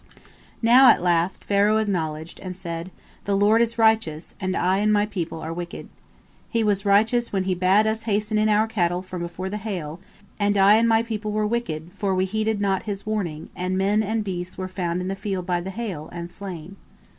Now, at last, Pharaoh acknowledged, and said, "The Lord is righteous, and I and my people are wicked. He was righteous when He bade us hasten in our cattle from before the hail, and I and my people were wicked, for we heeded not His warning, and men and beasts were found in the field by the hail, and slain."